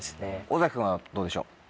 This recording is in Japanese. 尾崎君はどうでしょう？